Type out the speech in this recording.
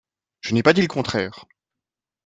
Je n’ai pas dit le contraire